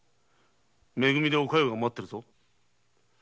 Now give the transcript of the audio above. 「め組」でお加代が待ってるぞ。